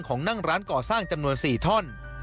นั่งร้านก่อสร้างจำนวน๔ท่อน